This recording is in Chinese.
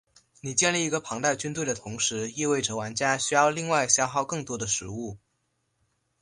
你建立一个庞大军队的同时意味着玩家需要另外消耗更多的食物。